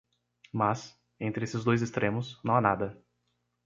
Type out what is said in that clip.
Mas, entre esses dois extremos, não há nada.